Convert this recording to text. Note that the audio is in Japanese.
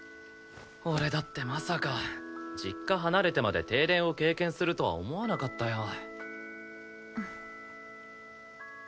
俺だってまさか実家離れてまで停電を経験するとは思わなかったよ。